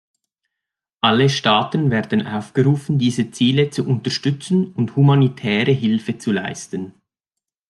Alle Staaten werden aufgerufen, diese Ziele zu unterstützen und humanitäre Hilfe zu leisten.